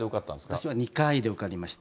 私は２回で受かりました。